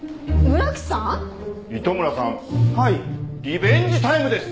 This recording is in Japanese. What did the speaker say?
リベンジタイムです！